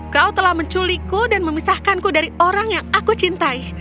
kau telah aurangguaku dan memisahkanku dari orang yang kuyukku